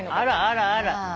あらあらあら。